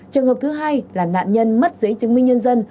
trường hợp thứ hai là nạn nhân mất giấy chứng minh nhân dân